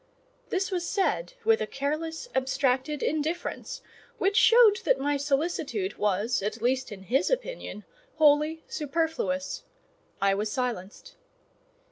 This was said with a careless, abstracted indifference, which showed that my solicitude was, at least in his opinion, wholly superfluous. I was silenced.